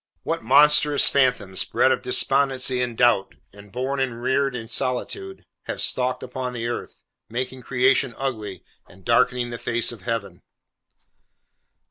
What monstrous phantoms, bred of despondency and doubt, and born and reared in solitude, have stalked upon the earth, making creation ugly, and darkening the face of Heaven!